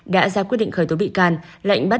đã ra quyết định khởi tố bị can lệnh bắt